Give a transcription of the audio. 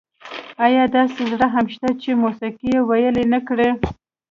ایا داسې زړه هم شته چې موسيقي یې ویلي نه کړي؟